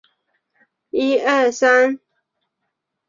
美洲鳄比美国短吻鳄对于低温更敏感。